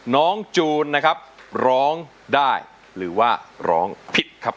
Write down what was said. จูนนะครับร้องได้หรือว่าร้องผิดครับ